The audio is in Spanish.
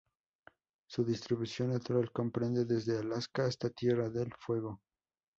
Su distribución natural comprende desde Alaska hasta Tierra del Fuego.